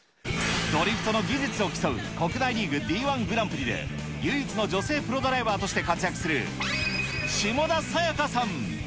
ドリフトの技術を競う、国内リーグＤ１グランプリで、唯一の女性プロドライバーとして活躍する、下田紗弥加さん。